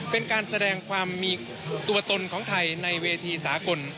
เป็นการแสดงความมีตัวตนของไทยในเวทีสากล